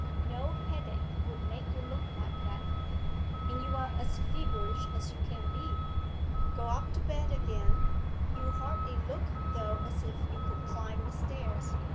No headache would make you look like that. And you're as feverish as you can be. Go up to bed again; you hardly look, though, as if you could climb the stairs.